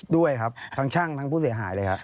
ด้วยครับทั้งช่างทั้งผู้เสียหายเลยครับ